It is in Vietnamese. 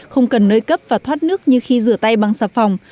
không cần nơi cấp và thoát nước như khi rửa tay bằng xà phòng